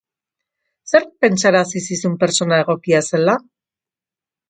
Zerk pentsarazi zizun pertsona egokia zela?